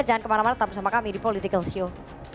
jangan kemana mana tetap bersama kami di political show